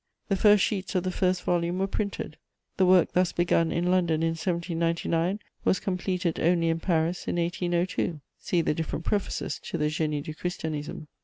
The first sheets of the first volume were printed. The work thus begun in London in 1799 was completed only in Paris in 1802: see the different prefaces to the _Génie du Christianisme.